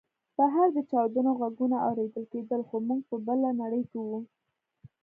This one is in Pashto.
بهر د چاودنو غږونه اورېدل کېدل خو موږ په بله نړۍ کې وو